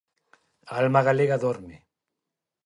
A alma galega dorme.